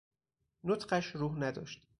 نطقش روح نداشت